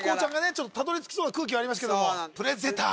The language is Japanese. ちょっとたどりつきそうな空気ありますけどもプレゼター！